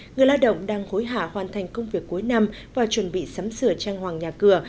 người lao động đang hối hả hoàn thành công việc cuối năm và chuẩn bị sắm sửa trang hoàng nhà cửa